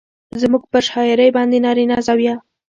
زموږ پر شاعرۍ باندې نارينه زاويه